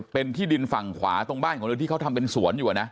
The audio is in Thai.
เป็นที่ดินฝั่งขวาตรงบ้านของเธอที่เขาทำเป็นสวนอยู่นะ